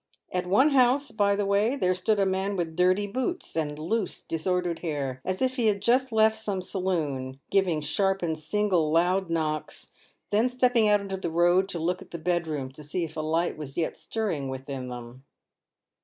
At one house, by the way, there stood a man with dirty boots and loose, disordered hair, as if he had just left some saloon, giving sharp and loud single knocks, then stepping out into the road to look at the bedrooms, and see if a light was yet stirring within them.